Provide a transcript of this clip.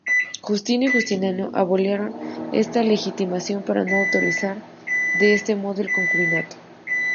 Justino y Justiniano abolieron esta legitimación, para no autorizar de este modo el concubinato.